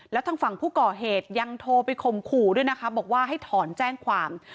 แล้วทางฝั่งผู้ก่อเหตุยังโทรไปข่มขู่ด้วยนะคะบอกว่าให้ถอนแจ้งความ